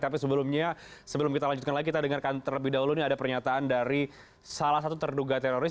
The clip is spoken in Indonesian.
tapi sebelumnya sebelum kita lanjutkan lagi kita dengarkan terlebih dahulu ini ada pernyataan dari salah satu terduga teroris